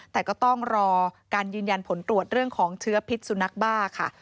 แต่ก็ต้องรอการยืนยันผลตรวจเรื่องของเชื้อพิษสุนัขบ้าค่ะ